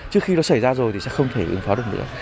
trước khi nó xảy ra rồi thì sẽ không thể ứng phó được nữa